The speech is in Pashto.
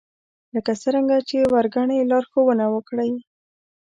لکه څرنګه چې وړ ګنئ لارښوونه وکړئ